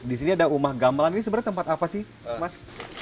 di sini ada rumah gamelan ini sebenarnya tempat apa sih mas